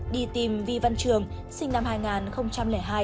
đi tìm vi văn trường sinh năm hai nghìn hai